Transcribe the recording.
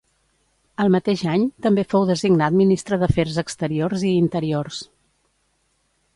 El mateix any, també fou designat Ministre d'Afers Exteriors i Interiors.